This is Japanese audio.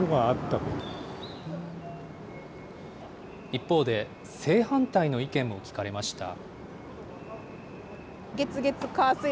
一方で、正反対の意見も聞かれました。